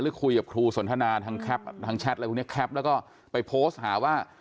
หรือคุยกับครูสนทนาทางแชทอะไรคุณเนี่ยแคปแล้วก็ไปโพสต์หาว่า